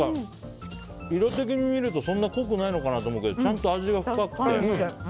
色的にみるとそんな濃くないかなと思うけどちゃんと味が深くて。